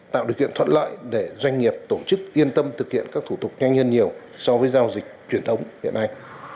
tạo điều kiện thuận lợi để doanh nghiệp tổ chức yên tâm thực hiện các thủ tục nhanh hơn nhiều so với giao dịch truyền thống hiện nay